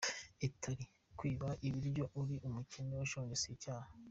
Italy: Kwiba ibiryo uri umukene ushonje si icyaha.